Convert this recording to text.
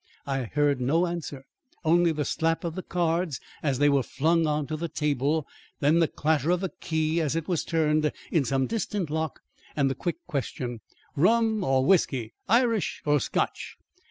I heard no answer, only the slap of the cards as they were flung onto the table; then the clatter of a key as it was turned in some distant lock and the quick question: "Rum, or whisky. Irish or Scotch?"